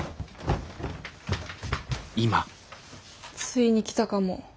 ついに来たかも。